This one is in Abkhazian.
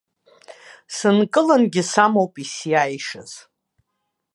Сынкылангьы самоуп исиааишаз.